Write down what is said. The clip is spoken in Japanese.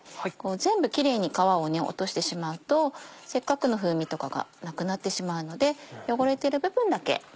全部キレイに皮を落としてしまうとせっかくの風味とかがなくなってしまうので汚れてる部分だけ。